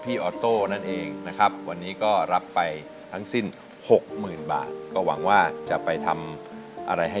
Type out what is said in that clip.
ของนิดนึกเฉพาะเรา